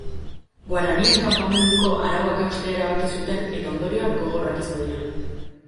Guaranien kanpamenduko arauak haustea erabaki zuten eta ondorioak gogorrak izango dira.